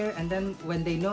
ada yang datang ke sini